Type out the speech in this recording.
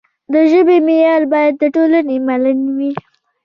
د ژبې معیار باید د ټولنې منل وي.